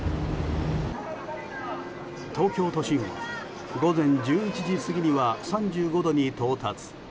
東京都心は午前１１時過ぎには３５度に到達。